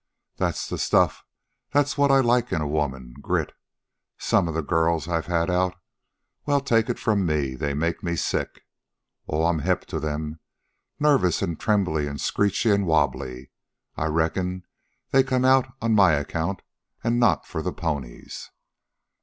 "That's the stuff. That's what I like in a woman grit. Some of the girls I've had out well, take it from me, they made me sick. Oh, I'm hep to 'em. Nervous, an' trembly, an' screechy, an' wabbly. I reckon they come out on my account an' not for the ponies.